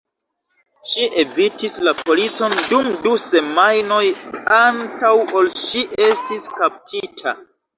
Ŝi evitis la policon dum du semajnoj antaŭ ol ŝi estis kaptita.